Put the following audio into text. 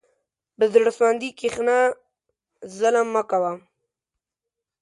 په زړه سواندي کښېنه، ظلم مه کوه.